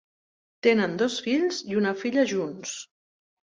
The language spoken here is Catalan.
Tenen dos fills i una filla junts.